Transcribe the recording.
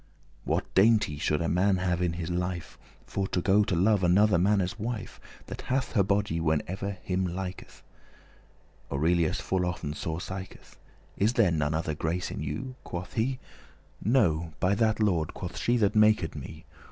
What dainty* should a man have in his life *value, pleasure For to go love another manne's wife, That hath her body when that ever him liketh?" Aurelius full often sore siketh;* *sigheth Is there none other grace in you?" quoth he, "No, by that Lord," quoth she, "that maked me.